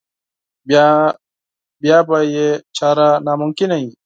بیا به یې چاره ناممکنه وي.